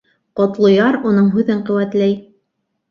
Ҡотлояр уның һүҙен ҡеүәтләй: